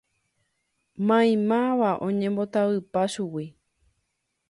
Maymáva oñembotavypa chugui.